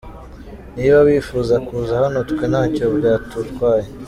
Niba bifuza kuza hano twe ntacyo byadutwaye.